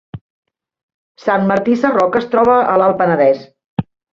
Sant Martí Sarroca es troba a l’Alt Penedès